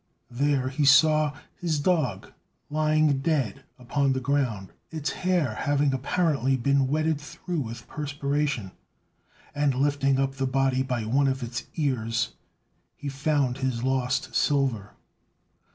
There he saw his dog lying dead upon the ground, its hair having apparently been wetted through with perspiration; and, lifting up the body by one of its ears, he found his lost silver.